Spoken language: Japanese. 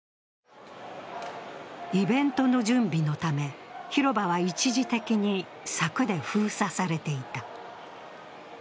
イベントの準備のため広場は一時的に柵で封鎖されていた。